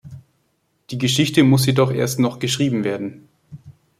Die Geschichte muss jedoch erst noch geschrieben werden.